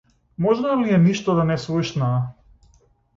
Можно ли е ништо да не слушнаа?